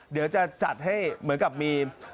เดี๋ยวจะจัดให้เหมือนกับมี